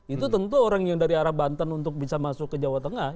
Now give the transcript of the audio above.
itu tentu orang yang dari arah banten untuk bisa masuk ke jawa tengah